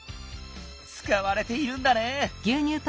つかわれているんだね。